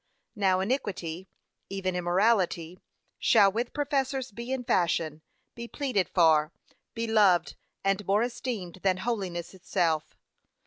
Now iniquity, even immorality, shall with professors be in fashion, be pleaded for, be loved and more esteemed than holiness itself.